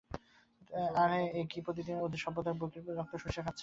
আর, এ কি প্রতিদিন ওদের সভ্যতার বুকের রক্ত শুষে খাচ্ছে না?